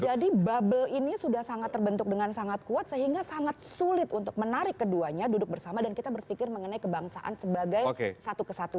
jadi bubble ini sudah sangat terbentuk dengan sangat kuat sehingga sangat sulit untuk menarik keduanya duduk bersama dan kita berpikir mengenai kebangsaan sebagai satu kesatuan